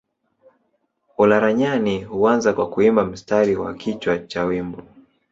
Olaranyani huanza kwa kuimba mstari wa kichwa cha wimbo